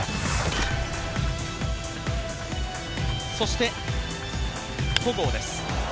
そして戸郷です。